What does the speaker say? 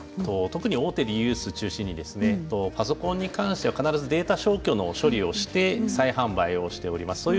特に大手リユース中心にパソコンに関してはデータ消去の処理をして再販売をしております。